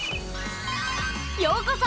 ようこそ！